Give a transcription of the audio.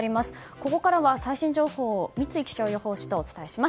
ここからは最新情報を三井気象予報士とお伝えします。